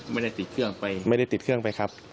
ไม่ได้ติดเครื่องไปไม่ได้ติดเครื่องไปครับ